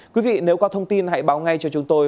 quý vị nếu có thông tin hãy báo ngay cho chúng tôi